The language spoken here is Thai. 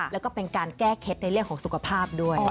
แล้วก็เป็นการแก้เคล็ดในเรื่องของสุขภาพด้วย